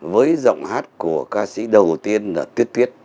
với giọng hát của ca sĩ đầu tiên là tuyết tuyết